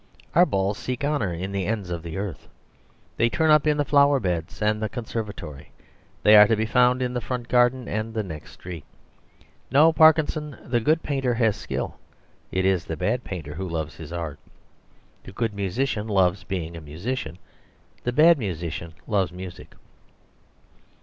Our balls seek honour in the ends of the earth; they turn up in the flower beds and the conservatory; they are to be found in the front garden and the next street. No, Parkinson! The good painter has skill. It is the bad painter who loves his art. The good musician loves being a musician, the bad musician loves music.